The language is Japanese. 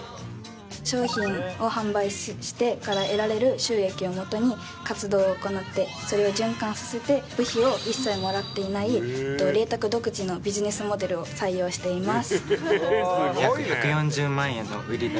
商品を販売してから得られる収益をもとに活動を行って、それを循環させて部費を一切もらっていない、麗澤独自のビジネスモデルを採用しています。